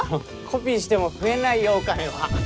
コピーしても増えないよお金は。